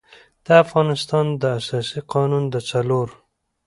د افغانستان د اساسي قـانون د څلور